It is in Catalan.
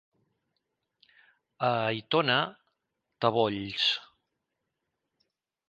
A Aitona, tabolls.